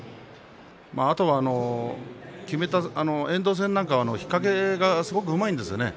あとは、遠藤戦なんかは引っ掛けがすごくうまいんですね。